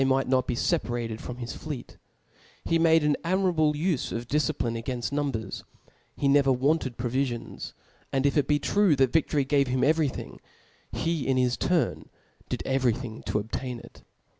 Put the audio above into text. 211 m!ght not be feparated from his fleet ; he made an B o o ic admirable ufe of difciplinc againft numbers ; he nc cb^', 14. xer wanted provi&ons •, and if ic be true that vic tory gave him every thing/ he, in his turn, did every thing to obtain it.